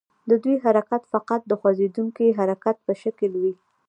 د دوی حرکت فقط د خوځیدونکي حرکت په شکل وي.